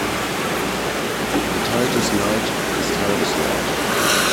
Geteiltes Leid ist halbes Leid.